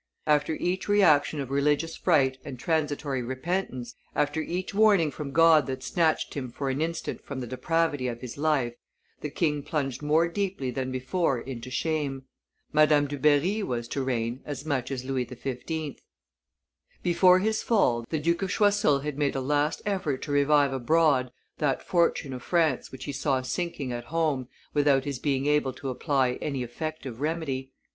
After each reaction of religious fright and transitory repentance, after each warning from God that snatched him for an instant from the depravity of his life, the king plunged more deeply than before into shame. Madame Dubarry was to reign as much as Louis XV. Before his fall the Duke of Choiseul had made a last effort to revive abroad that fortune of France which he saw sinking at home without his being able to apply any effective remedy.